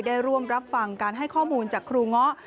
ร่วมรับฟังการให้ข้อมูลจากครูเงาะ